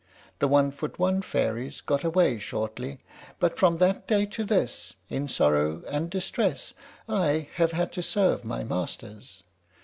The one foot one fairies got away shortly; but from that day to this, in sorrow and distress, I have had to serve my masters.